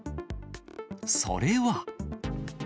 それは。